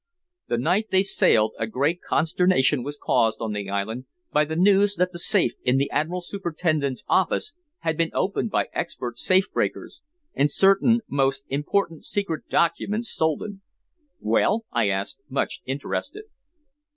The night they sailed a great consternation was caused on the island by the news that the safe in the Admiral Superintendent's office had been opened by expert safe breakers, and certain most important secret documents stolen." "Well?" I asked, much interested.